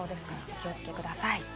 気をつけてください。